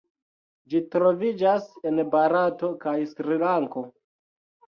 Ĝi troviĝas en Barato kaj Srilanko.